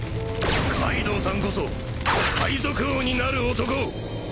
カイドウさんこそ海賊王になる男。